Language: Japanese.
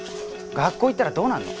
学校行ったらどうなるの？